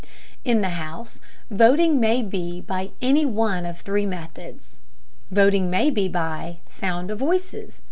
In the House voting may be by any one of three methods. Voting may be by "sound of voices."